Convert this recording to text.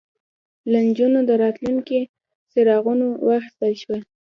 له نجونو د راتلونکي څراغونه واخیستل شول